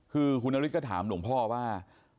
คือคุณนฤทธิ์ถามหลวงพ่อว่า